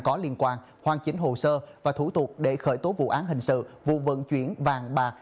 có liên quan hoàn chỉnh hồ sơ và thủ tục để khởi tố vụ án hình sự vụ vận chuyển vàng bạc